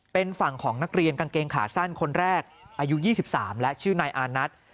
เป็นฝั่งของนักเรียนกางเกงขาสั้นคนแรกอายุ๒๓และชื่อนายอานัท